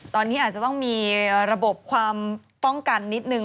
ตอนนี้อาจจะต้องมีระบบความป้องกันนิดนึง